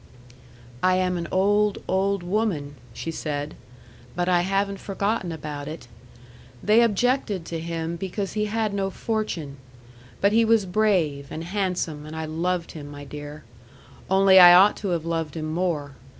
"I am an old, old woman," she said. "But I haven't forgotten about it. They objected to him because he had no fortune. But he was brave and handsome, and I loved him, my dear. Only I ought to have loved him more.